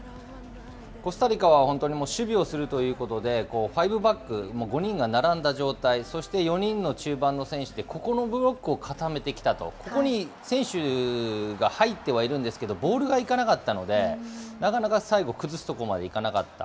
コスタリカは本当に守備をするということで、ファイブバック、５人が並んだ状態、そして４人の中盤の選手でここのブロックを固めてきたと、ここに選手が入ってはいるんですけど、ボールがいかなかったので、なかなか最後、崩すところまでいかなかった。